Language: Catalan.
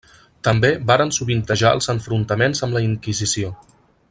També varen sovintejar els enfrontaments amb la Inquisició.